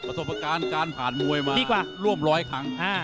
ประสบการณ์การผ่านมวยมาดีกว่าร่วมร้อยครั้ง